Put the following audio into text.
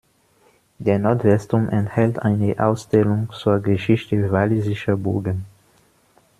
Der Nordwestturm enthält eine Ausstellung zur Geschichte walisischer Burgen.